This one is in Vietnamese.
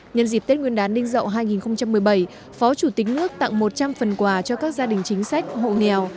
nhân dịp tết nguyên đán ninh dậu hai nghìn một mươi bảy phó chủ tịch nước tặng một trăm linh phần quà cho các gia đình chính sách hộ nghèo